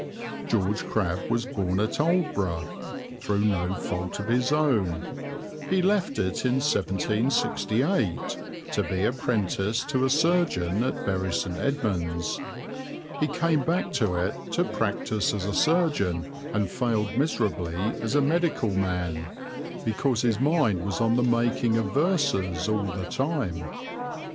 George Crabbe was born at Aldeburgh, through no fault of his own. He left it in 1768, to be apprenticed to a surgeon at Bury St. Edmunds. He came back to it to practise as a surgeon, and failed miserably as a medical man, because his mind was on the making of verses all the time.